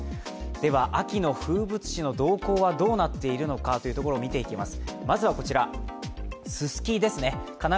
では、秋の風物詩の動向はどうなっているのかを見ていきます。